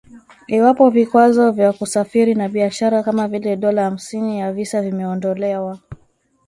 iwapo vikwazo vya kusafiri na biashara kama vile dola hamsini ya visa vimeondolewa